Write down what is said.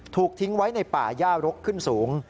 ถูกทิ้งไว้ในป่าย่ารกขึ้นสูง